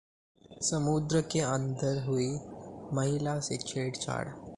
समुद्र के अंदर हुई महिला से छेड़छाड़